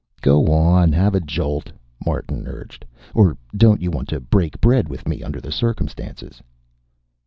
"Go on, have a jolt," Martin urged. "Or don't you want to break bread with me, under the circumstances?"